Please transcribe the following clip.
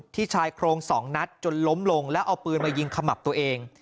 ชายโครง๒นัดจนล้มลงแล้วเอาปืนมายิงขมับตัวเอง